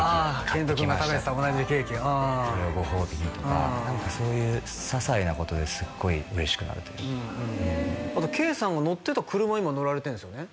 あ遣都君が食べてた同じケーキああそれをご褒美にとか何かそういうささいなことですっごい嬉しくなるというかうんあと圭さんが乗ってた車今乗られてんすよね？